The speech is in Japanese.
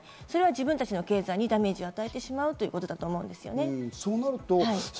自分たちの経済にダメージを与えてしまうということだと思うんですね。